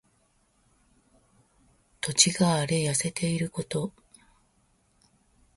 土地が荒れ痩せていること。